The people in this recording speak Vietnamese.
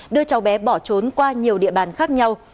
đưa cháu bé bỏ trốn qua nhiều địa bàn khác nhau